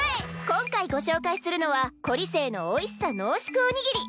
・今回ご紹介するのは狐狸精のおいしさ濃縮おにぎり